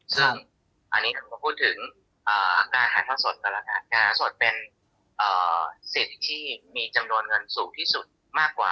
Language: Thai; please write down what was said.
ซึ่งอันนี้ผมพูดถึงการหาทักสดต่างค่ะหาทักสดเป็นสิทธิที่มีจำนวนเงินสูงที่สุดมากกว่า